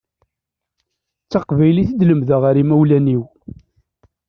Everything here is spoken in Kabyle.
D taqbaylit i d-lemdeɣ ar imawlan-iw.